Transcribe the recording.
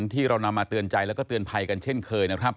ที่เรานำมาเตือนใจแล้วก็เตือนภัยกันเช่นเคยนะครับ